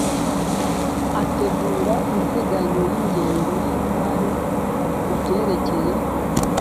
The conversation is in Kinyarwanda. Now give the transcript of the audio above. ategura integanyo y ingengo y imari ku byerekeye